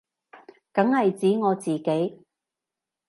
梗係指我自己